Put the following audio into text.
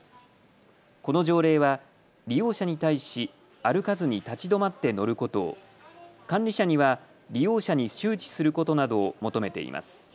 この条例は利用者に対し歩かずに立ち止まって乗ることを、管理者には利用者に周知することなどを求めています。